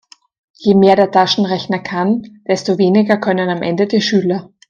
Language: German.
Je mehr der Taschenrechner kann, desto weniger können am Ende die Schüler.